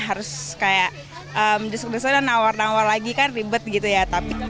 harus kayak desak desak dan nawar nawar lagi kan ribet gitu ya